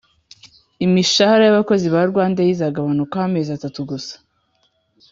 imishahara y’abakozi ba rwandair izagabanukaho % amezi atatu gusa